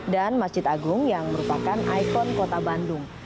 dan masjid agung yang merupakan ikon kota bandung